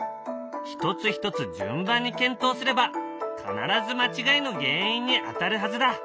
一つ一つ順番に検討すれば必ず間違いの原因に当たるはずだ！